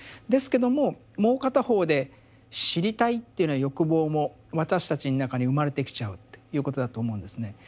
ですけどももう片方で「知りたい」っていうような欲望も私たちの中に生まれてきちゃうっていうことだと思うんですね。